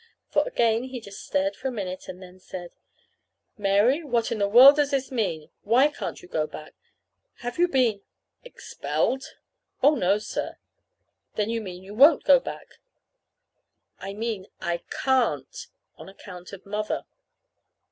For again he just stared for a minute, and then said: "Mary, what in the world does this mean? Why can't you go back? Have you been expelled?" "Oh, no, sir." "Then you mean you won't go back." "I mean I can't on account of Mother."